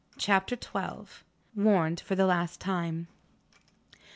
CHAPTER XII WARNED FOR THE LAST TIME!